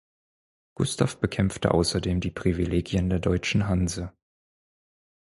Gustav bekämpfte außerdem die Privilegien der deutschen Hanse.